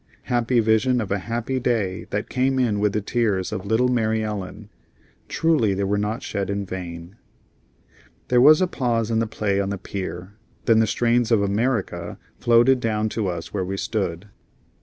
Happy vision of a happy day that came in with the tears of little Mary Ellen. Truly they were not shed in vain. There was a pause in the play on the pier. Then the strains of "America" floated down to us where we stood.